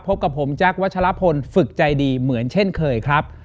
พบกับผมแจ๊ควัชลพลฝึกใจดีเหมือนเช่นเคยครับ